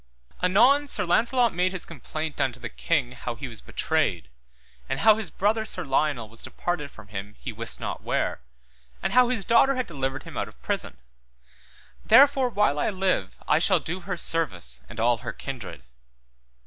Anon Sir Launcelot made his complaint unto the king how he was betrayed, and how his brother Sir Lionel was departed from him he wist not where, and how his daughter had delivered him out of prison; Therefore while I live I shall do her service and all her kindred.